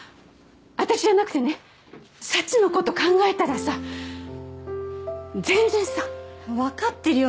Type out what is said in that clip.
私じゃなくてねサチのこと考えたらさ全然さわかってるよ